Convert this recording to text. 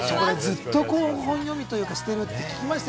ずっと本読みしてるって聞きました。